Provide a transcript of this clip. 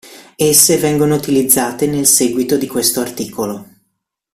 Esse vengono utilizzate nel seguito di questo articolo.